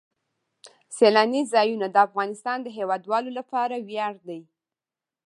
سیلانی ځایونه د افغانستان د هیوادوالو لپاره ویاړ دی.